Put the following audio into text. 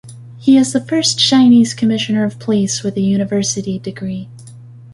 He is the first Chinese Commissioner of Police with a university degree.